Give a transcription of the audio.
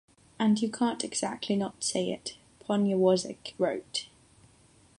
And you can't exactly not say it, Poniewozik wrote.